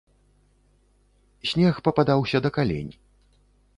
Снег пападаўся да калень.